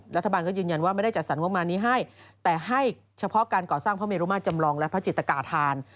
รัฐบาลก็ยืนยันว่าไม่ได้จัดสรรงบประมาณนี้ให้แต่ให้เฉพาะการก่อสร้างพระเมรุมาตรจำลองและพระจิตกาธาน